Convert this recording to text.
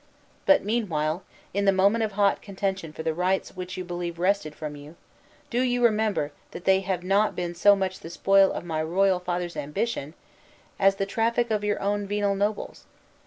But meanwhile, in the moment of hot contention for the rights which you believe wrested from you, do you remember that they have not been so much the spoil of my royal father's ambition as the traffic of your own venal nobles.